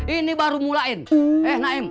ini baru mulain eh naim